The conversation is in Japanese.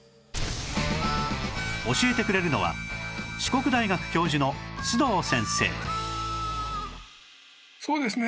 教えてくれるのはそうですね。